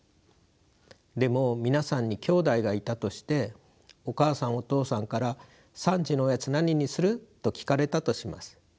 でも皆さんに兄弟がいたとしてお母さんお父さんから３時のおやつ何にする？と聞かれたとします。